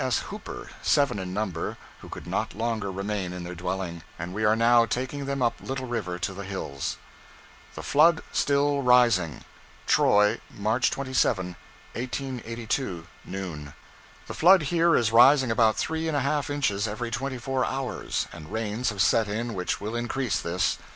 S. Hooper, seven in number, who could not longer remain in their dwelling, and we are now taking them up Little River to the hills. THE FLOOD STILL RISING Troy: March 27, 1882, noon. The flood here is rising about three and a half inches every twenty four hours, and rains have set in which will increase this.